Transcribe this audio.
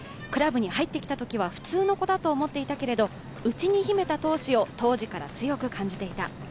クラブに入ってきたときは普通の子だと思っていたけれども、うちに秘めた闘志を当時から強く感じていた。